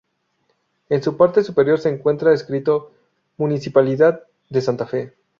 En su parte superior se encuentra escrito "Municipalidad de Santa Fe".